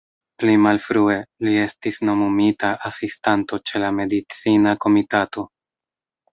Pli malfrue, li estis nomumita Asistanto ĉe la Medicina Komitato.